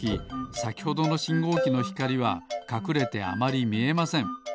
さきほどのしんごうきのひかりはかくれてあまりみえません。